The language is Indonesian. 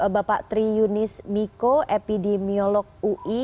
bapak tri yunis miko epidemiolog ui